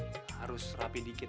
wah harus rapi dikit